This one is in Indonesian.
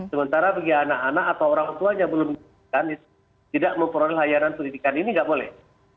sementara bagi anak anak atau orang tua yang belum mempelajari tidak memperoleh layanan pendidikan ini tidak boleh